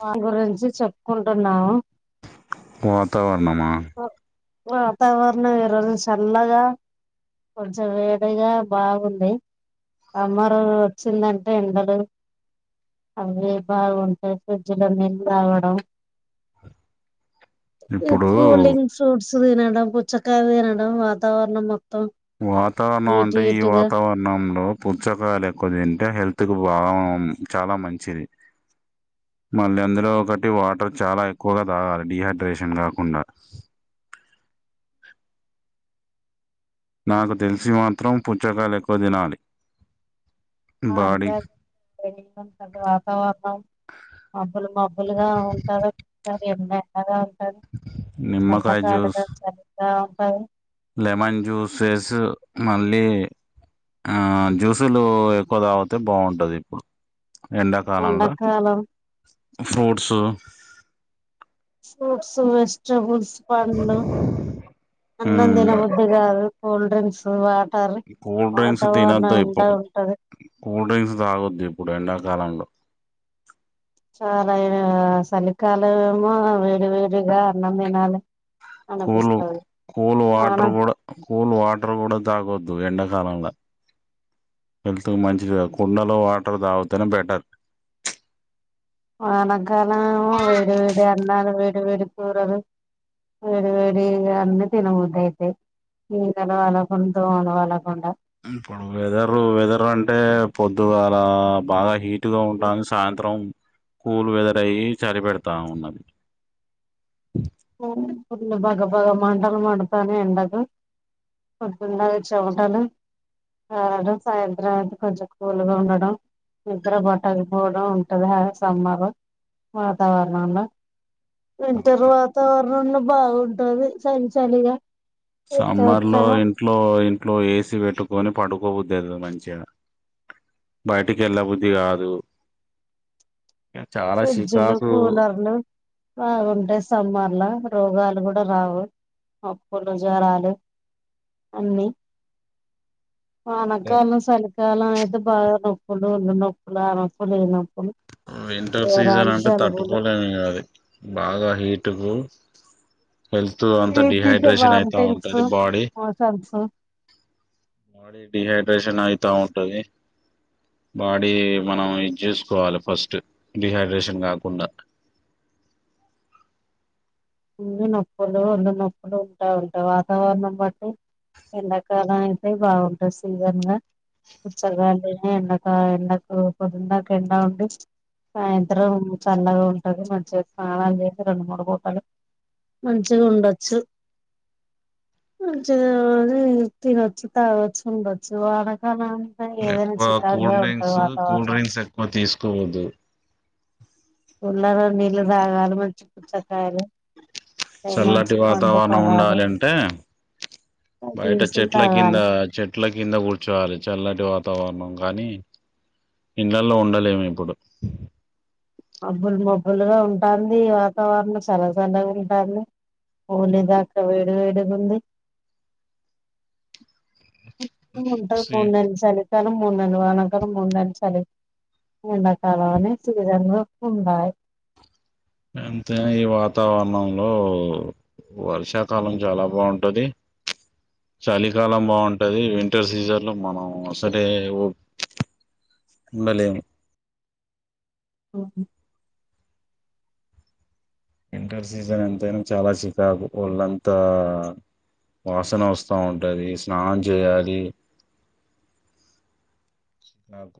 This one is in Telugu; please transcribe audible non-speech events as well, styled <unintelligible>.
వాని గురించి చెప్పుకుంటున్నాము వాతావర్ణమా వాతావర్ణం ఈరోజు చల్లగా కొంచెం వేడిగా బాగుంది సమ్మర్ వచ్చిందంటే ఎండలు అవ్వేం బాగుంటయ్ ఫ్రిడ్జ్ లో నీల్ తాగడం ఇప్పుడు కూలింగ్స్ ఫ్రూట్స్ తినడం పుచ్చకాయ తినడం వాతావర్ణం మొ వాతావర్ణం అంటే ఈ వాతావర్ణం లో పుచ్చకాయలు ఎక్కువ తింటే హెల్త్ కు బాగుం చాలా మంచిది <inaudible> మళ్ళీ అందులో ఒకటి వాటర్ చాలా ఎక్కువగా తాగాలి డిహైడ్రేషన్ కాకుండా నాకు తెల్సి మాత్రం పుచ్చకాయలు ఎక్కువ తినాలి ఆ బాడీ <unintelligible> వతావర్ణం మబ్బులు మబ్బులుగా ఉంటరు ఎ ఎండ అయినా రాదు ఉ నిమ్మకాయ చల్లగాలిగ జ్యూస్ చలిగ లెమన్ జ్యూసెస్ మళ్ళీ ఆ జ్యూసులు ఎక్కువ తాగితే బావుంటది ఇప్పుడు ఎండాకాలంలో ఎండకాలం ఫ్రూట్స్ ఫ్రూట్స్ వెజిటబుల్స్ పండ్లు అన్నం తినబుద్దికాదు cool drinks water cool drinks వాతవరణం తినొద్దు ఎండ ఇప్పుడు ఉంటది కూల్ డ్రింక్స్ తాగొద్దు ఇప్పుడు ఎండకాలంలొ ఆ చలికాలంఏమో వేడి వేడిగా అన్నం తినాలన్ కూల్ కూల్ వాన వాటర్ కూడ కూల్ వాటర్ గుడ తాగొద్ ద్దూ ఎండ కాలంల హెల్త్కి మంచిది కాదు కుండలొ వాటర్ తాగితేనే బెటర్ వానకాలం ఏమో వేడి వేడి అన్నాలు వేడి వేడి కూరలు వేడి వేడి అన్ని తినబుదైతయ్ <unintelligible> కుండా ఇప్పుడు వెదరు వెదర్ అంటే పొద్దుగాల బాగ హిట్ ఉంటాంది సాయంత్రం కూల్ వెదరై చలిపెడ్తాఉన్నది మ్ ఫుల్లు బగ బగ మంటలు మండుతానయ్ ఎండకు పోద్దున్ దాకా చెంటలు ఏడ సాయంత్రం అయితే కొంచెం కూల్గ ఉండడం నిద్ర బట్టకపోవడం ఉంటది ఆ సమ్మర్ వాతవరణంలో వింటర్ వాతవరణంలో బాగుంటది చలి చలిగ సమ్మర్లొ ఇంట్లొ ట్లో ఏసీ పెట్టుకొని పడుకొబుదైతది మంచిగ బయటికేల్లబుద్ది కాదు చాలా ఫ్రిడ్జ్లు చికాకు కులర్లు బాగుంటయ్ సమ్మర్ ల రోగాలు గుడ రావు మప్పులు జరాలు అన్నీ వానకాలం సలికాలం అయితే బాగ నొప్పులు ఒళ్ళు నొప్పులు ఆ నొప్పులు ఈ నొప్పులు వింటర్ సిజన్ జ్వరాలు అంటే జలుబులు తట్టుకొలేం ఇగ అది బాగ హీటుకు హెల్త్ అంత ఈ తింటే డిహైడ్రేషన్ వామిటింగ్స్ అయితఉంటది బాడీ మోషన్స్ బాడీ డిహైడ్రేషన్ అయితా ఉంటది బాడీ మనం ఇది చేసుకొవాలి ఫస్ట్ డిహైడ్రేషన్ కాకుండ <inaudible> ఒళ్లు నొప్పులు ఒళ్లు నొప్పులు ఉంటాయ్ అంట వాతవరణం బట్టి ఎండకాలం అయితే బాగుంటది సీజన్ల పుచ్చకాయలు తిని ఎండక ఎండకు పొద్దన్దాక ఎండ ఉండి సాయంత్రం చల్లగా ఉంటది మంచిగ స్నానాలు చేసి రెండు మూడు పూటలు మంచిగుండొచ్చు మంచిగా అది తినొచ్చు తాగొచ్చు ఉండొచ్చు వానకాలం ఏదైనా ఎక్కువ కూల్ చికాకుగా ఉంటది డ్రింక్స్ కూల్ వాతావరణం డ్రింక్స్ ఎక్కువ తిసుకోవద్దు కుండల తాగాలే మంచి పుచ్చకాయలు మంచి చల్లటి పండ్లు వాతవరణం పొలాలు ఉండాలి అంటే బయట జ్యూసులు చెట్ల కింద తాగాలి చెట్ల కింద కూడ్చోవాలి చల్లటి వాతవరణం గనీ ఇళ్లలో ఉండలేము ఇప్పుడు మబ్బులు మబ్బులుగ ఉంటాంది వాతవరణం సల్ల సల్లగ ఉంటాంది ఒలిదాక వేడి వేడి గ ఉంది ఉంటది మూడు నెల్లు చలి మూడునెల్లు వానకాలం మూడు నెల్లు చలి ఎండాకాలం అని సీజన్ లో ఉండాయి ఎంతైనా ఈ వతావరణంలో వర్షాకాలం చాలా బాగుంటది చలికాలం బాగుంటది వింటర్ సీజన్ లో మనం అసలే ఉండలేము ఉహ్మ్ వింటర్ సీజన్ ఎంతైనా చాలా చికాకు వోళ్ళంతా వాసన ఓస్తా ఉంటది స్నానం చేయాలి నాకు